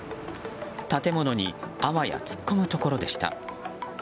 建物にあわや突っ込むところでした。